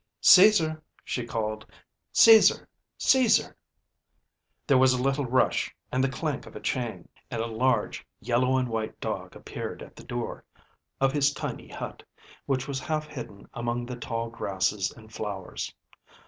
"Caesar!" she called. " Caesar! Caesar!" There was a little rush, and the clank of a chain, and a large yellow and white dog appeared at the door of his tiny hut, which was half hidden among the tall grasses and flowers.